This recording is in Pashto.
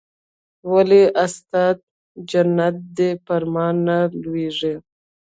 ولې استاده جنت دې پر ما نه لورېږي.